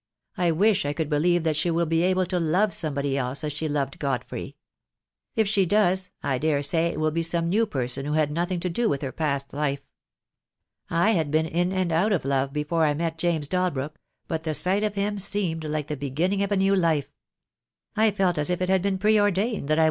I wish I could believe that she will be able to love somebody else as she loved Godfrey. If she does, I daresay it will be some new person who has had nothing to do with her past life. I had been in and out of love before I met James Dal brook, but the sight of him seemed like the beginning of a new life. I felt as if it had been preordained that I THE DAY WILL COME.